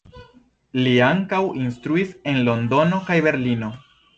Li ankaŭ instruis en Londono kaj Berlino.